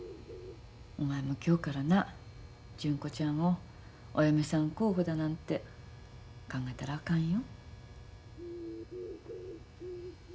お前も今日からな純子ちゃんをお嫁さん候補だなんて考えたらあかんよ。